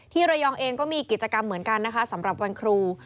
ระยองเองก็มีกิจกรรมเหมือนกันนะคะสำหรับวันครู